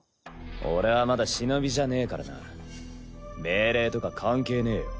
俺はまだ忍じゃねえからな命令とか関係ねえよ。